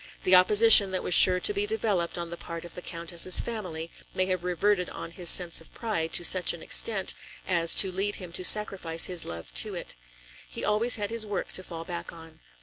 The opposition that was sure to be developed on the part of the Countess's family may have reverted on his sense of pride to such an extent as to lead him to sacrifice his love to it. He always had his work to fall back on.